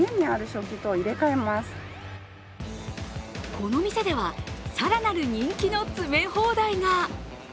この店では更なる人気の詰め放題が。